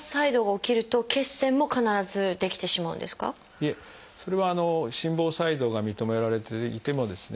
いえそれは心房細動が認められていてもですね